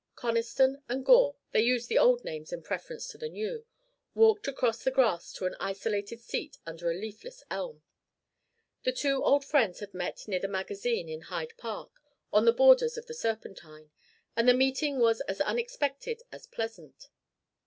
Conniston and Gore they used the old names in preference to the new walked across the grass to an isolated seat under a leafless elm. The two old friends had met near the magazine in Hyde Park, on the borders of the Serpentine, and the meeting was as unexpected as pleasant.